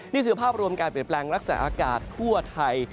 นี่คือภาพรวมการเปลี่ยนแปลงลักษณะอากาศทั่วไทย